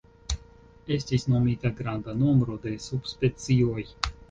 Estis nomita granda nombro de subspecioj.